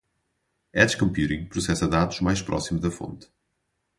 Edge Computing processa dados mais próximo da fonte.